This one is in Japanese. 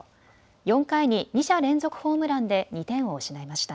４回に二者連続ホームランで２点を失いました。